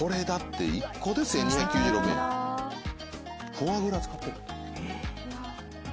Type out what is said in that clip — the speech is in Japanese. フォアグラ使ってる。